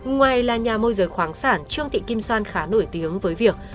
ngoài là nhà môi giới khoáng sản trương thị kim son khá nổi tiếng với việc